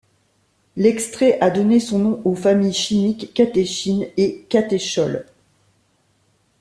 L'extrait a donné son nom aux familles chimiques Catéchine et Catéchol.